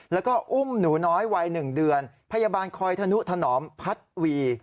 แล้วก็อุ้มหนูน้อยวัย๑เดือนพยาบาลคอยธนุถนอมพัดวี